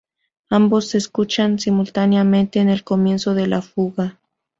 Ambos se escuchan simultáneamente en el comienzo de la fuga.